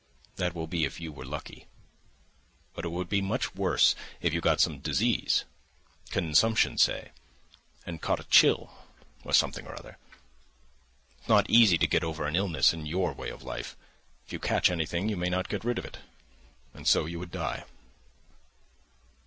That will be if you were lucky. But it would be much worse if you got some disease, consumption, say ... and caught a chill, or something or other. It's not easy to get over an illness in your way of life. If you catch anything you may not get rid of it. And so you would die."